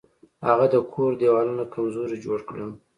هغه د کور دیوالونه کمزوري جوړ کړل.